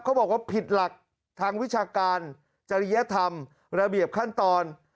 เขาบอกว่าผิดหลักทางวิชาการจริยธรรมระเบียบขั้นตอน